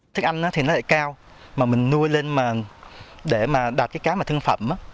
thức ăn thì nó lại cao mà mình nuôi lên để đạt cái cá thương pháp